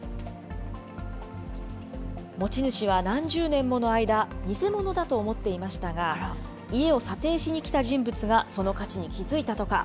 持ち主は何十年もの間、偽物だと思っていましたが、家を査定しにした人物がその価値に気付いたとか。